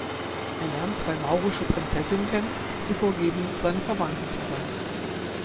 Er lernt zwei maurische Prinzessinnen kennen, die vorgeben, seine Verwandten zu sein.